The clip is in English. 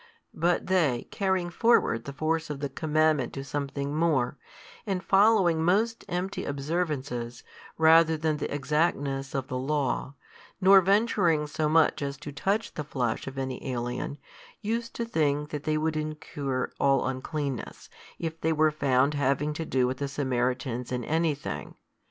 But they, carrying forward the force of the commandment to something more, and |206 following most empty observances, ratter than the exactness of the Law, nor venturing so much as to touch the flesh of any alien, used to think that they would incur all uncleanness, if they were found having to do with the Samaritans in anything.